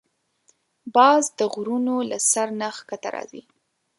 باز د غرونو له سر نه ښکته راځي